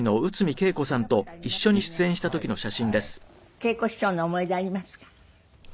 桂子師匠の思い出ありますか？